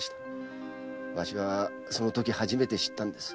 わしはそのとき初めて知ったんです。